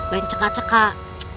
lain cekak cekak